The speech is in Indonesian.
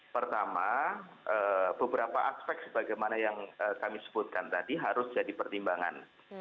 pertama beberapa aspek sebagaimana yang kami sebutkan tadi harus jadi pertimbangan